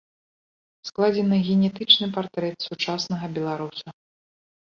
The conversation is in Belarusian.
Складзены генетычны партрэт сучаснага беларуса.